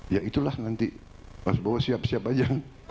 ya itulah nanti mas bowo siap siap aja